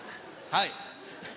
はい。